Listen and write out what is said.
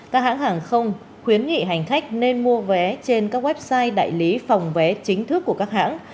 các hãng hàng không khuyến nghị hành khách nên mua vé trên các website đại lý phòng vé chính thức của các hãng